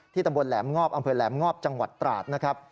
ตำบลแหลมงอบอำเภอแหลมงอบจังหวัดตราดนะครับ